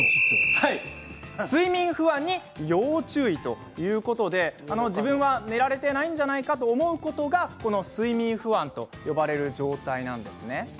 睡眠不安に要注意ということで自分は寝られていないんじゃないかと思うことがこの睡眠不安と呼ばれる状態なんですね。